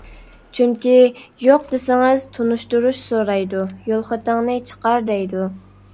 چۈنكى، «يوق! » دېسىڭىز، تونۇشتۇرۇش سورايدۇ، يول خېتىڭنى چىقار، دەيدۇ.